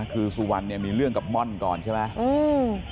คือสุวรรณเนี่ยมีเรื่องกับม่อนก่อนใช่ไหม